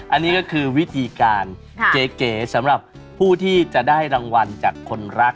อันนี้ก็คือวิธีการเก๋สำหรับผู้ที่จะได้รางวัลจากคนรัก